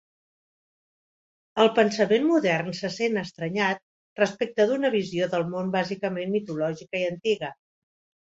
El pensament modern se sent estranyat respecte d'una visió del món bàsicament mitològica i antiga.